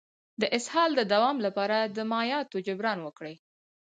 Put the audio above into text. د اسهال د دوام لپاره د مایعاتو جبران وکړئ